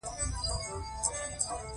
هوښیاري ښه ده.